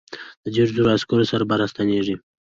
د دیرشو زرو عسکرو سره به را ستنېږي.